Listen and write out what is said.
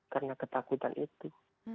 karena ketakutan itu